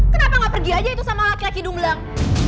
kenapa gak pergi aja itu sama laki laki dumlang